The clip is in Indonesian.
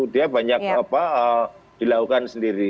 dia banyak dilakukan sendiri